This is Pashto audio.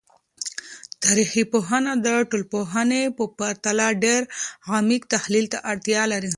تاریخي پوهنه د ټولنپوهنې په پرتله ډیر عمیق تحلیل ته اړتیا لري.